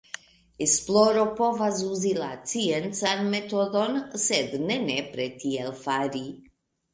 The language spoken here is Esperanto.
Esploro povas uzi la sciencan metodon, sed ne nepre tiel fari.